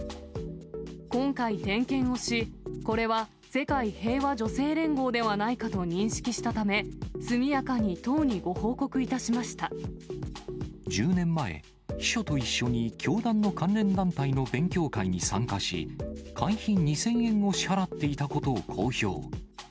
今回、点検をし、これは世界平和女性連合ではないかと認識したため、速やかに党に１０年前、秘書と一緒に教団の関連団体の勉強会に参加し、会費２０００円を支払っていたことを公表。